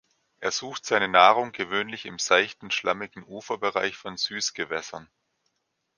Er sucht seine Nahrung gewöhnlich im seichten, schlammigen Uferbereich von Süßgewässern.